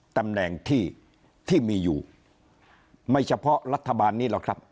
ตำแหน่งที่ที่มีอยู่ไม่เฉพาะรัฐบาลนี้หรอกครับ